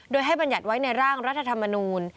โดยให้บรรยัติไว้ในร่างรัฐธรรมนูล